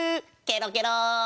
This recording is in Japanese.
ケロケロ！